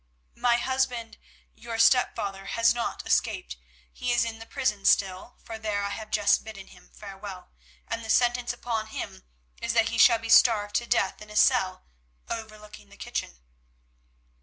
"My husband, your stepfather, has not escaped; he is in the prison still, for there I have just bidden him farewell, and the sentence upon him is that he shall be starved to death in a cell overlooking the kitchen."